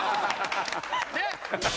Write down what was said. ねっ！